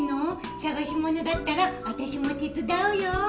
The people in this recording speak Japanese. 探し物だったらあたしも手伝うよ。